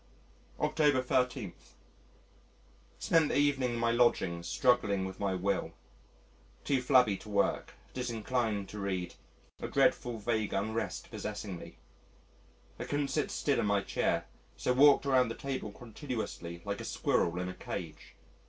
October 13. Spent the evening in my lodgings struggling with my will. Too flabby to work, disinclined to read, a dreadful vague unrest possessing me. I couldn't sit still in my chair, so walked around the table continuously like a squirrel in a cage.